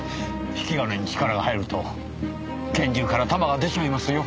引き金に力が入ると拳銃から弾が出ちゃいますよ。